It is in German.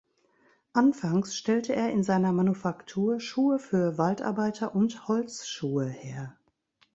Anfangs stellte er in seiner Manufaktur Schuhe für Waldarbeiter und Holzschuhe her.